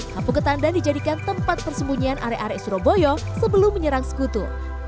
kampung ketandang dijadikan tempat persembunyian area area surabaya sebelum menyerang sekutu